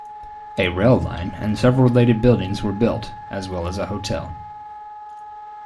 A rail line and several related buildings were built as well as a hotel.